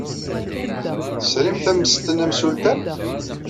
Tesrimt ammesten amsultan?